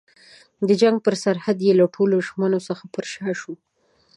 د جنګ پر سرحد یې له ټولو ژمنو څخه پر شا شوه.